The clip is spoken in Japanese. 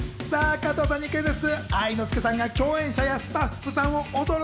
加藤さんにクイズッス。